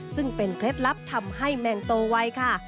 ซึ่งเป็นเคล็ดลับทำให้แมงโตไวค่ะ